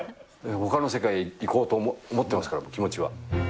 ほかの世界へ行こうと思ってますから、気持ちは。